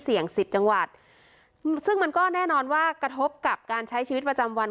สิบจังหวัดซึ่งมันก็แน่นอนว่ากระทบกับการใช้ชีวิตประจำวัน